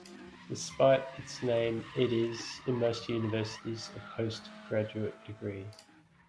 Despite its name it is, in most universities, a postgraduate degree.